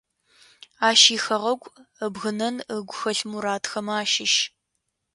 Ащ ихэгъэгу ыбгынэн ыгу хэлъ мурадхэмэ ащыщ.